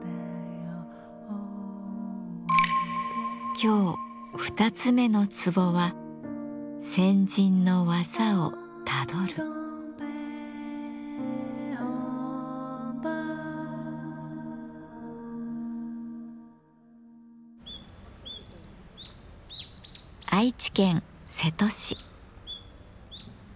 今日２つ目の壺は愛知県瀬戸市。